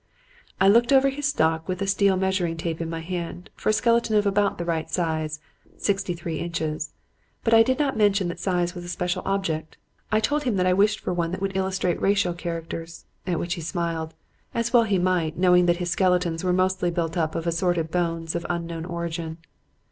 I looked over his stock with a steel measuring tape in my hand, for a skeleton of about the right size sixty three inches but I did not mention that size was a special object. I told him that I wished for one that would illustrate racial characters, at which he smiled as well he might, knowing that his skeletons were mostly built up of assorted bones of unknown origin.